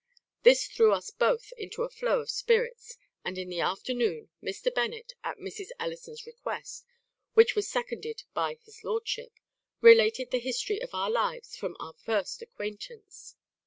This threw us both into a flow of spirits; and in the afternoon Mr. Bennet, at Mrs. Ellison's request, which was seconded by his lordship, related the history of our lives from our first acquaintance.